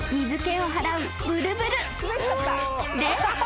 で